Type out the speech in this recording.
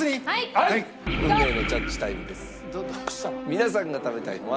皆さんが食べたいのは。